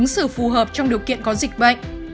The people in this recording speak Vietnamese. phù hợp trong điều kiện có dịch bệnh